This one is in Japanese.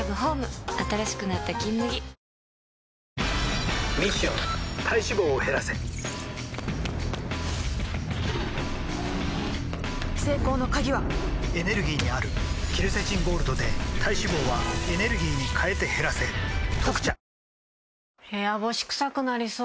ミッション体脂肪を減らせ成功の鍵はエネルギーにあるケルセチンゴールドで体脂肪はエネルギーに変えて減らせ「特茶」